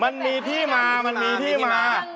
มันมีที่มามันมีที่มา